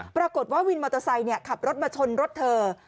ปรากฏว่าวินมอเตอร์ไซค์ขับรถมาชนรถเธอ